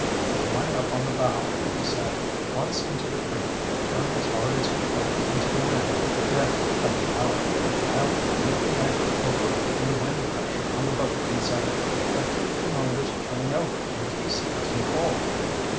"I'm going up on the bow," he said. "Once into the creek, turn as hard as you can into the wind, then cut the power. I'll heave the anchor over and the wind pressure on the boat can set it. But keep the motors turning over in case it doesn't hold."